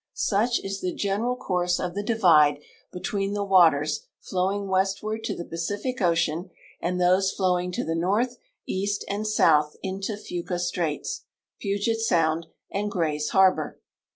Such is the general course of the divide between the waters flowing west ward to the Pacific ocean and those flowing to the north, east, and south into Fuca straits, Puget sound, and Gray's harbor.